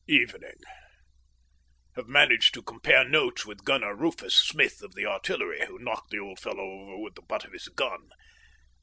Evening. Have managed to compare notes with Gunner Rufus Smith of the Artillery, who knocked the old fellow over with the butt of his gun.